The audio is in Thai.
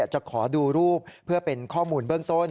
จะขอดูรูปเพื่อเป็นข้อมูลเบื้องต้น